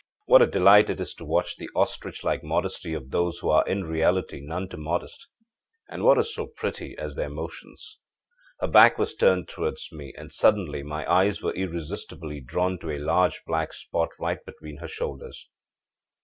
What a delight it is to watch the ostrich like modesty of those who are in reality none too modest. And what is so pretty as their motions! âHer back was turned towards me, and suddenly, my eyes were irresistibly drawn to a large black spot right between her shoulders.